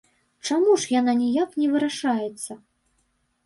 Чаму ж яна ніяк не вырашаецца?